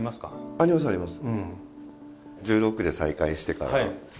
ありますあります。